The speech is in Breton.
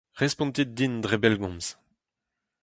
Respontit din dre bellgomz.